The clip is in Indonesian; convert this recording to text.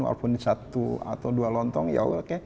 walaupun satu atau dua lontong ya oke